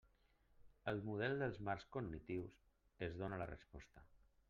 El model dels marcs cognitius ens dóna la resposta.